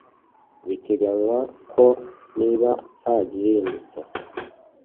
Biteganywa ko niba nta gihindutse